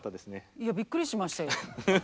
いやびっくりしましたよ。